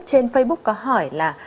trên facebook có hỏi là